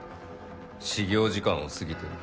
始業時間を過ぎてる。